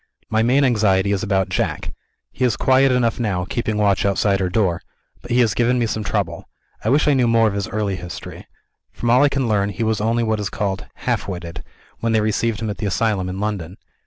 My main anxiety is about Jack. He is quiet enough now, keeping watch outside her door; but he has given me some trouble. I wish I knew more of his early history. From all I can learn, he was only what is called "half witted," when they received him at the asylum in London.